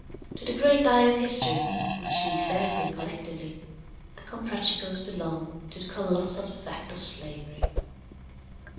To the great eye of history, which sees everything collectively, the Comprachicos belong to the colossal fact of slavery.